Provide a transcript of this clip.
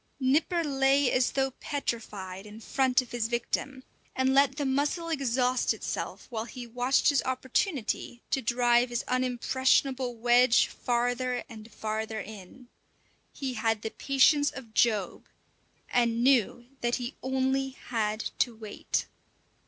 Nipper lay as though petrified in front of his victim, and let the mussel exhaust itself while he watched his opportunity to drive his unimpressionable wedge farther and farther in. He had the patience of Job, and knew that he only had to wait.